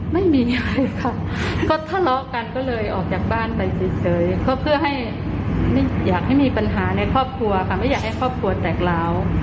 ไม่มีอะไรค่ะก็ทะเลาะกันก็เลยออกจากบ้านไปเฉยก็เพื่อให้ไม่อยากให้มีปัญหาในครอบครัวค่ะไม่อยากให้ครอบครัวแตกร้าว